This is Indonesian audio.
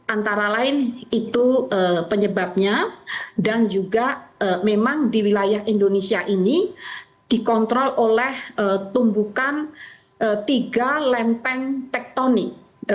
antara lain itu penyebabnya dan juga memang di wilayah indonesia ini dikontrol oleh tumbukan tiga lempeng tektonik